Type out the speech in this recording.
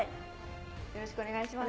よろしくお願いします。